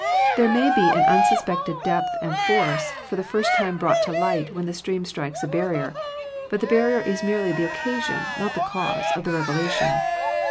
There may be an unsuspected depth and force for the first time brought to light when the stream strikes a barrier, but the bar rier is merely the occasion, not the cause, of the revelation.